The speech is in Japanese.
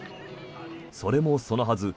それもそのはず